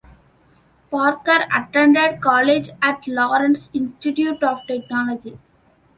Parker attended college at Lawrence Institute of Technology.